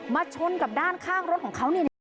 ชนกับด้านข้างรถของเขา